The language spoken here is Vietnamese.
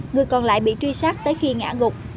người còn lại bị truy sát tới khi ngã gục